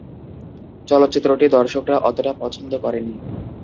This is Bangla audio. চলচ্চিত্রটি দর্শকরা অতটা পছন্দ করেনি।